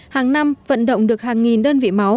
hàng năm vận động được hàng nghìn đơn vị máu